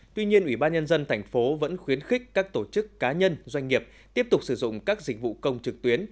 tuy nhiên ủy ban nhân dân tp vẫn khuyến khích các tổ chức cá nhân doanh nghiệp tiếp tục sử dụng các dịch vụ công trực tuyến